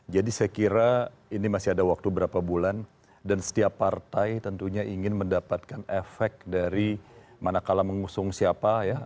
jadi saya kira ini masih ada waktu berapa bulan dan setiap partai tentunya ingin mendapatkan efek dari mana kalah mengusung siapa ya